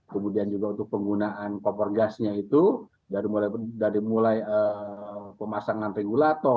kemudian juga untuk penggunaan kompor gasnya itu dari mulai pemasangan regulator